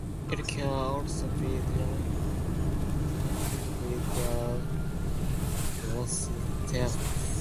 It can also be detected with the Galeazzi test.